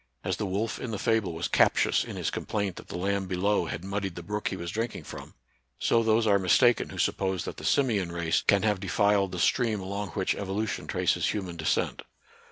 As the wolf in the fable was captious in his complaint that the lamb below had muddied the brook he was drinking from, so those are mistaken who suppose that the simian race can have defiled the stream along which evolution traces human descent.